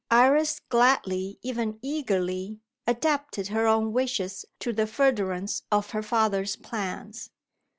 Iris gladly, even eagerly, adapted her own wishes to the furtherance of her father's plans.